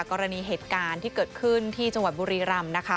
กรณีเหตุการณ์ที่เกิดขึ้นที่จังหวัดบุรีรำนะคะ